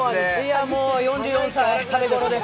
４４歳、食べ頃です。